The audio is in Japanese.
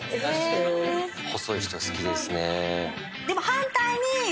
でも反対に。